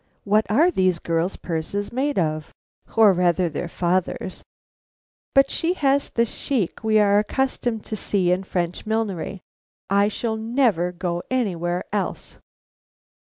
What are these girls' purses made of, or rather their father's! "But she has the chic we are accustomed to see in French millinery. I shall never go anywhere else."